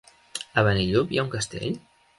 A Benillup hi ha un castell?